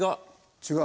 違う？